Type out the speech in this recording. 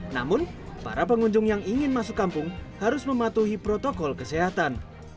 namun para pengunjung yang ingin masuk kampung harus mematuhi protokol kesehatan